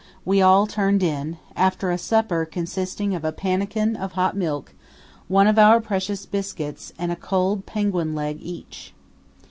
we all turned in, after a supper consisting of a pannikin of hot milk, one of our precious biscuits, and a cold penguin leg each.